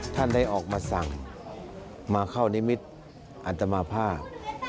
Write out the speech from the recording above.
ท่านได้ออกมาสั่งมาเข้านิมิตรอันตมาภาพ